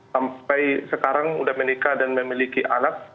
sampai sekarang sudah menikah dan memiliki anak